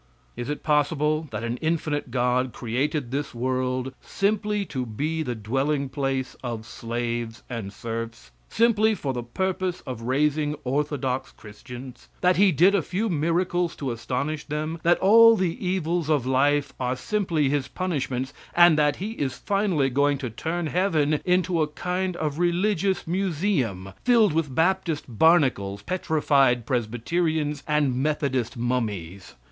Is it possible that an infinite God created this world simply to be the dwelling place of slaves and serfs? Simply for the purpose of raising orthodox Christians; that he did a few miracles to astonish them; that all the evils of life are simply his punishments, and that he is finally going to turn heaven into a kind of religious museum, filled with Baptist barnacles, petrified Presbyterians, and Methodist mummies?